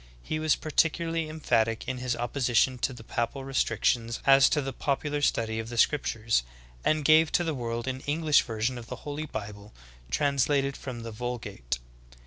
He was particularly em phatic in his opposition to the papal restrictions as to the popular study of the scriptures, and gave to the world an English version of the Holy Bible translated from the Vul gate.